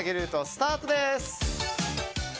スタートです。